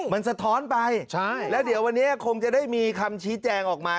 มันสะท้อนไปแล้วเดี๋ยววันนี้คงจะได้มีคำชี้แจงออกมา